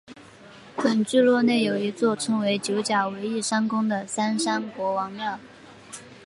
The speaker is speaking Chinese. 本聚落内有一座称为九甲围义山宫的三山国王庙。